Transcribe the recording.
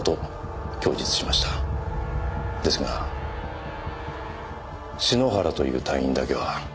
ですが篠原という隊員だけは。